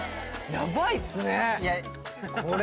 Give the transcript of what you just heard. ヤバいっすねこれ。